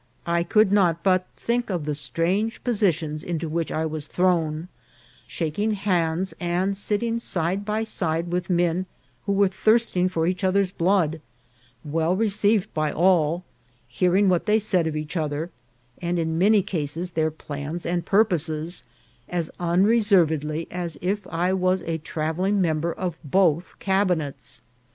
I could C A R R E R A. 139 not but think of the strange positions into which I was thrown : shaking hands and sitting side by side with men who were thirsting for each other's blood, well received by all, hearing what they said of each other, and in many cases their plans and purposes, as unreservedly as if I was a travelling member of both cabinets.